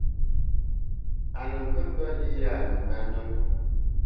A nə kə́ mbə́ lí yâ a nə ŋánə́.